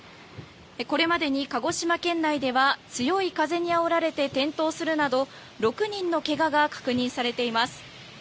これまでに鹿児島県内では強い風にあおられて転倒するなど６人の怪我が確認されています。